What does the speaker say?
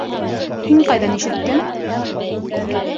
— Һин ҡайҙан ишеттең?